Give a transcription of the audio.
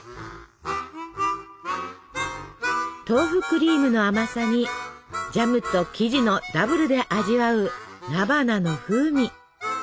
豆腐クリームの甘さにジャムと生地のダブルで味わう菜花の風味。